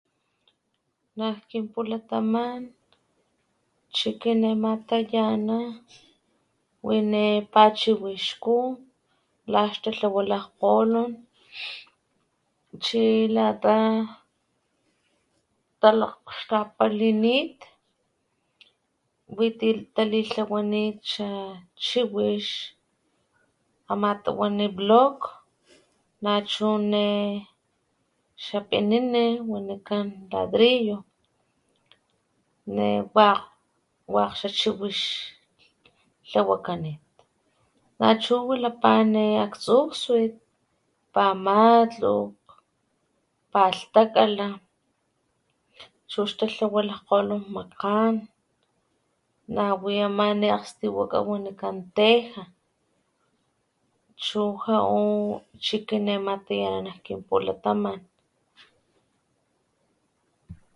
Nak kinpulataman chiki nema tayana wine pachiwixku la ixtalhawa lakgkgolon chi lata´ talakgxtapalinit witi talilhawanit xa chiwix ama´ tawani block nachu ne xa pinini wanikan ladrillo ne wakg xa chiwix lhawakanit nachu wilapa nema aktsukswit pa malukg, palhtakgala chu xta lhawa lakgkgolon makgan, nawi ama ne´akgstiwaka wanikan teja chu ja´u chiki nema tayana nak kin pulataman